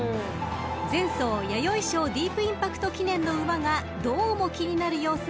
［前走弥生賞ディープインパクト記念の馬がどうも気になる様子の林先生。